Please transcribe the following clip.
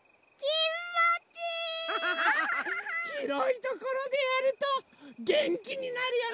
ひろいところでやるとげんきになるよね！